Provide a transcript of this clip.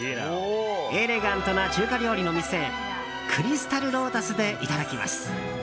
エレガントな中華料理の店クリスタル・ロータスでいただきます。